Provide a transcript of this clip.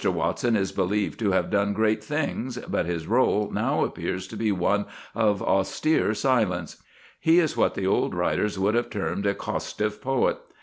Watson is believed to have done great things, but his rôle now appears to be one of austere silence; he is what the old writers would have termed a costive poet.